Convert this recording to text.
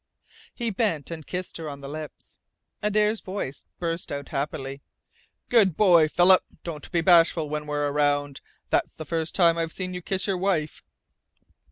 He bent and kissed her on the lips. Adare's voice burst out happily: "Good boy, Philip! Don't be bashful when we're around. That's the first time I've seen you kiss your wife!"